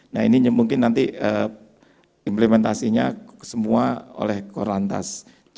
nah ini mungkin nanti implementasinya semua oleh korlantas